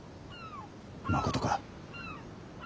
まことか？